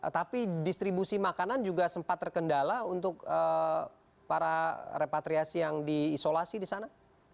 tapi distribusi makanan juga sempat terkendala untuk para repatriasi yang diisolasi di sana